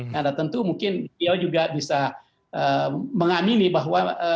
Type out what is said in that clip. karena tentu mungkin dia juga bisa mengamini bahwa